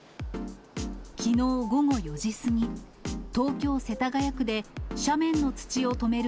きのう午後４時過ぎ、東京・世田谷区で、斜面の土を留める